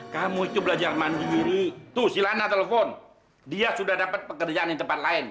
kamu itu belajar mandiri tuh si lana telepon dia sudah dapat pekerjaan di tempat lain